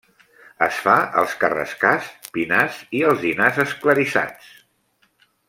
Es fa als carrascars, pinars i alzinars esclarissats.